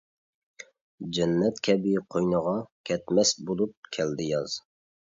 جەننەت كەبى قوينىغا، كەتمەس بولۇپ كەلدى ياز.